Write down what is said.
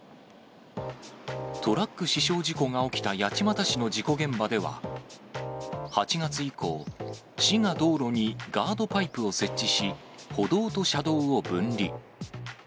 トラック死傷事故が起きた八街市の事故現場では、８月以降、市が道路にガードパイプを設置し、歩道と車道を分離。